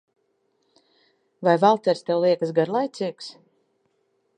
Vai Valters tev liekas garlaicīgs?